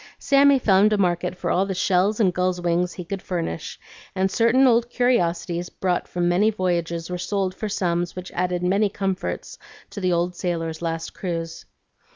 Sammy found a market for all the shells and gulls' wings he could furnish, and certain old curiosities brought from many voyages were sold for sums which added many comforts to the old sailor's last cruise.